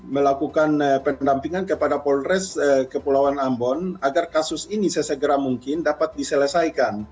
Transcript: melakukan pendampingan kepada polres kepulauan ambon agar kasus ini sesegera mungkin dapat diselesaikan